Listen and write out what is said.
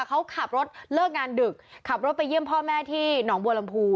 เขาขับรถเลิกงานดึกขับรถไปเยี่ยมพ่อแม่ที่หนองบัวลำพู